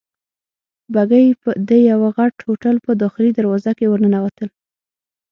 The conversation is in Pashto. بګۍ د یوه غټ هوټل په داخلي دروازه ورننوتل.